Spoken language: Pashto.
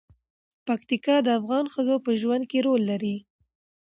پکتیکا د افغان ښځو په ژوند کې رول لري.